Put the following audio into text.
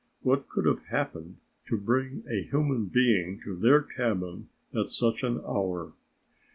What could have happened to bring a human being to their cabin at such an hour?